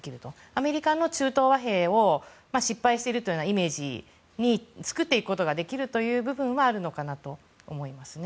アメリカの中東和平が失敗しているというイメージに作っていくことができるという部分はあるのかなと思いますね。